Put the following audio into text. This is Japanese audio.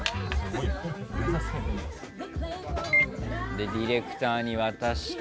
でディレクターに渡して。